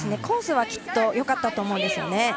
コースはきっとよかったと思うんですよね。